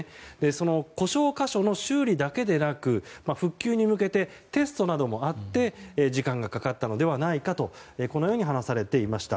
その故障箇所の修理だけでなく復旧に向けてテストなどもあって時間がかかったのではないかと話されていました。